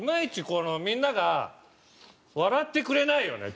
このみんなが笑ってくれないよね